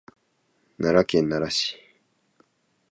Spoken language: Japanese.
奈良県奈良市